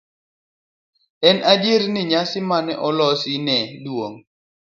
en adier ni nyasi mane olosi ne dwong'